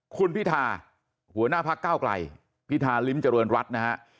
คุณพิทาหัวหน้าภักดิ์ก้าวไกลพิทาริมจรวรรณรัฐนะฮะ